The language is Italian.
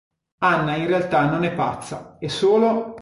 Anna in realtà non è pazza, è solo...